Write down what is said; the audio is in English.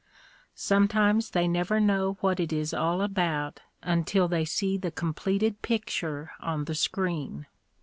Sometimes they never know what it is all about until they see the completed picture on the screen.